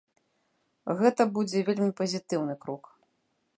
Гэта будзе вельмі пазітыўны крок.